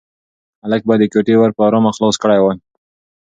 هلک باید د کوټې ور په ارامه خلاص کړی وای.